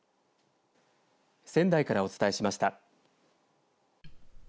仙台からお伝えしました。